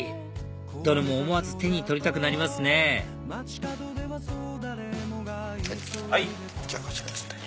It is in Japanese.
どれも思わず手に取りたくなりますねこちらですね。